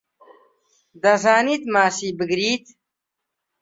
دەزانیت ماسی بگریت؟